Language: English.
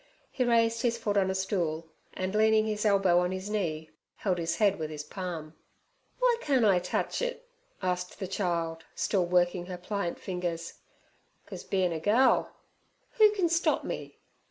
He raised his foot on a stool, and, leaning his elbow on his knee, held his head with his palm. 'W'y can't I touch it?' asked the child, still working her pliant fingers. "Cos bein' a gal.' 'Who can stop me?'